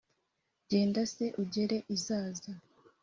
Genda se ugere i Zaza: